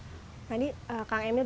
nah ini kang emil